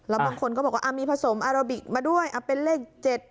แล้วบางคนก็บอกว่าอ่ะมีผสมมาด้วยอ่ะเป็นเลขเจ็ด